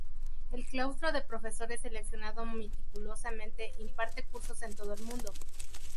El claustro de profesores, seleccionado meticulosamente, imparte cursos en todo el mundo.